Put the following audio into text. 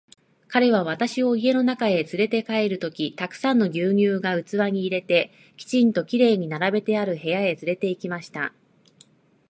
彼は私を家の中へつれて帰ると、たくさんの牛乳が器に入れて、きちんと綺麗に並べてある部屋へつれて行きました。